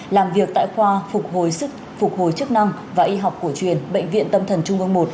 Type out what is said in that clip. làm việc tại khoa phục hồi sức phục hồi chức năng và y học cổ truyền bệnh viện tâm thần trung ương một